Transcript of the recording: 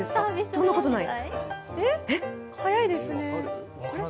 そんなことない？